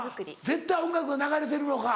絶対音楽が流れてるのか。